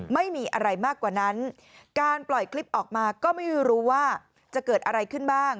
ไม่มีอะไรมากกว่านั้นการปล่อยคลิปออกมาก็ไม่รู้ว่าจะเกิดอะไรขึ้นบ้าง